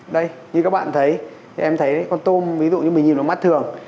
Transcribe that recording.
đây như các bạn thấy em thấy con tôm ví dụ như mình nhìn nó mát thường